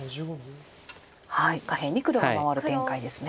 下辺に黒が回る展開ですね。